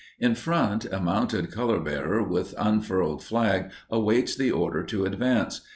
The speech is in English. In front, a mounted colorbearer with unfurled flag awaits the order to advance.